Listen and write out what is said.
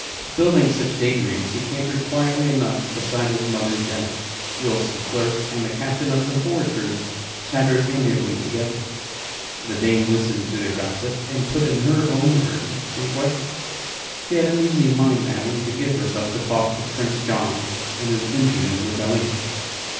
Building such day dreams, he cantered quietly enough beside his mother's jennet; whilst the clerk and the captain of the foresters chattered amiably together. The dame listened to their gossip, and put in her own word and question; she had an easy mind now and could give herself to talk of Prince John and his impudent rebellion.